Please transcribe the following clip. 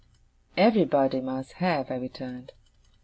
'Everybody must have,' I returned.